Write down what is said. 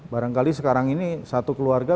barangkali sekarang ini satu keluarga